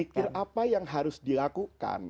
berpikir apa yang harus dilakukan